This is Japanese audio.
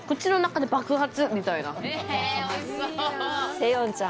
セヨンちゃん